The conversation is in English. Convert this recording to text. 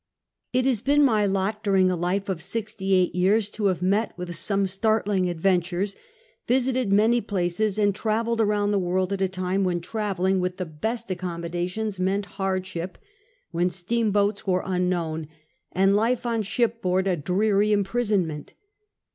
It has been my lot, during a life of sixty eight years, to have met with some start ling adventures, visited many places, and traveled around the world, at a time when traveling, with the best accommodations, meant hardship; when steamboats were unknown, and life on shipboard a dreary imprisonment.